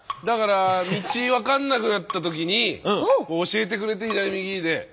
だから道分かんなくなった時に教えてくれて左右で。